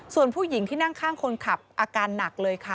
ส่วนผู้หญิงที่นั่งข้างคนขับอาการหนักเลยค่ะ